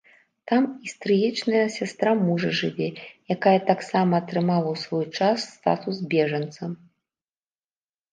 Там і стрыечная сястра мужа жыве, якая таксама атрымала ў свой час статус бежанца.